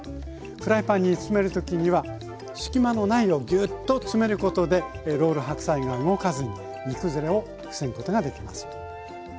フライパンにつめる時には隙間のないようギュッとつめることでロール白菜が動かずに煮崩れを防ぐことができます。